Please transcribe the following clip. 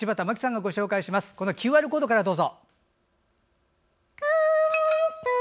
レシピはＱＲコードからどうぞ。